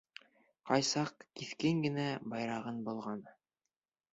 Ҡай саҡ киҫкен генә «байрағын болғаны».